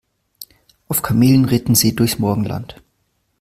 Auf Kamelen ritten sie durchs Morgenland.